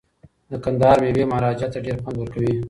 د کندهار میوې مهاراجا ته ډیر خوند ورکوي.